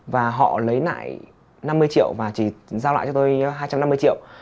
và họ lấy lại năm mươi triệu và chỉ giao lại cho tôi hai trăm năm mươi triệu